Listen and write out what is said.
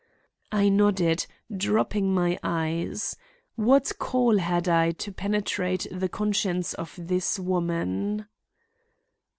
I nodded, dropping my eyes. What call had I to penetrate the conscience of this woman?